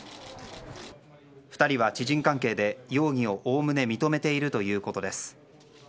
２人は知人関係で容疑をおおむね認めているということです。